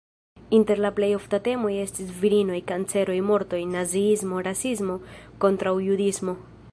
Inter la plej oftaj temoj estis virinoj, kancero, morto, naziismo, rasismo, kontraŭjudismo.